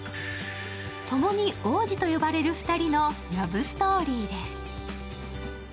ともに王子と呼ばれる２人のラブストーリーです。